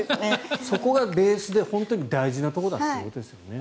そこがベースで本当に大事なところだということですね。